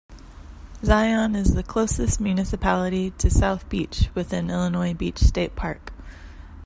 Zion is the closest municipality to South Beach within Illinois Beach State Park.